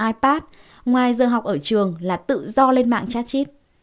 ipad ngoài giờ học ở trường là tự do lên mạng chat chít